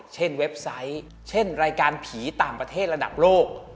เว็บไซต์เช่นรายการผีต่างประเทศระดับโลก